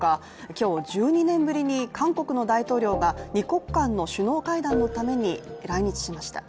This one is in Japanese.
今日、１２年ぶりに韓国の大統領が二国間の首脳会談のために来日しました。